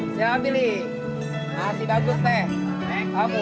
segar segar bu pilih bu